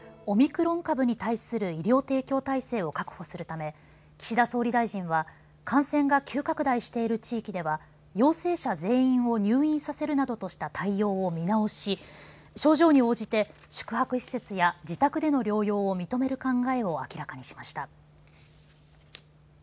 オミクロン株に対する医療提供体制を確保するため岸田総理大臣は感染が急拡大している地域では陽性者全員を入院させるなどとした対応を見直し症状に応じて宿泊施設や自宅での療養を認める考えを明らかにしました。